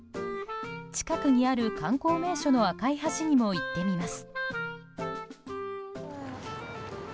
近くにある観光名所の赤い橋にも行ってみます。